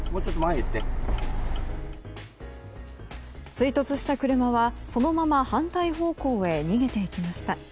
追突した車はそのまま反対方向へ逃げていきました。